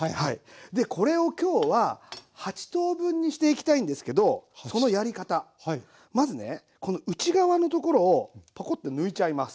でこれを今日は８等分にしていきたいんですけどそのやり方まずねこの内側のところをポコッと抜いちゃいます。